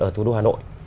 ở thủ đô hà nội